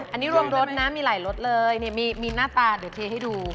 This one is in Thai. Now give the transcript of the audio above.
อันนี้รวมรถนะมีหลายรสเลยมีหน้าตาเดี๋ยวเทให้ดู